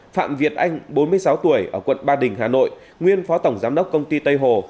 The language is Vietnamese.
phạm việt anh bốn mươi sáu tuổi ở quận ba đình hà nội nguyên phó tổng giám đốc công ty tây hồ